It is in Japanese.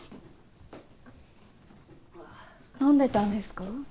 飲んでたんですか？